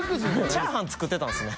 チャーハン作ってたんですね。